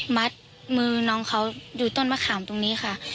มัดมือน้องเขาอยู่ต้นมะขามตรงนี้ค่ะ